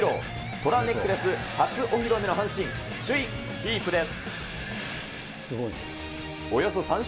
虎ネックレス初お披露目の阪神、首位キープです。